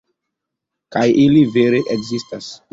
Kaj ili, vere, ekzistas.